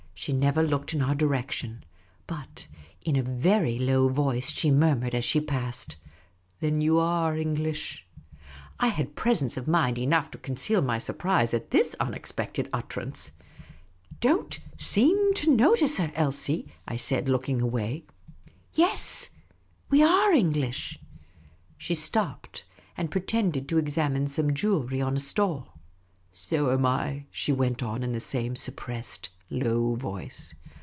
She never looked in our The Unobtrusive Oasis 197 direction, but in a very low voice she niunnurecl, as she passed, " Then you are Kn^lish !" I had presence of mind enough to conceal my surprise at this unexpected utterance. " Don't seem to uotice her, HER AGITATION WAS EVIDENT. Elsie," I said, looking away. Yes, we are English." She stopped and pretended to examine some jewellery on a stall. '' So am I, " she went on, in the same suppressed, low v^oice.